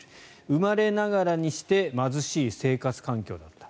生まれながらにして貧しい生活環境だった。